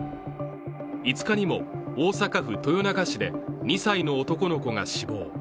５日にも大阪府豊中市で２歳の男の子が死亡。